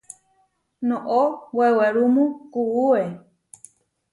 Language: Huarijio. Noʼó wewerúmu kuúe.